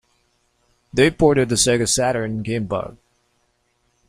They ported the Sega Saturn game Bug!